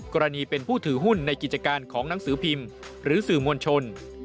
กรณีเป็นผู้ถือหุ้นในกิจการของหนังสือพิมพ์หรือสื่อมวลชน